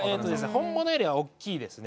本物よりは大きいですね。